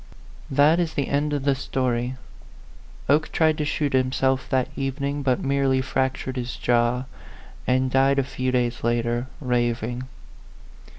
That is the end of the story, Oke tried to shoot himself that evening, but merely fractured his jaw, and died a few days later, raving.